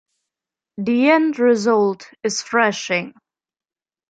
The end result is thrashing.